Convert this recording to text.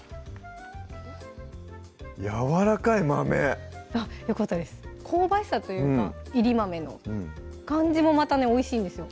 やわらかい豆よかったです香ばしさというかいり豆の感じもまたねおいしいんですよ